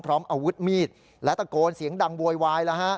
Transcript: พร้อมอาวุธมีดและตะโกนเสียงดังโวยวาย